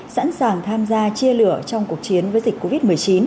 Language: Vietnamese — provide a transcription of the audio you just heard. sẵn sàng tham gia chia lửa trong cuộc chiến với dịch covid một mươi chín